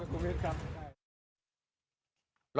ลดติดมาคุณพีทครับ